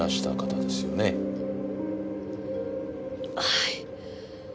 はい。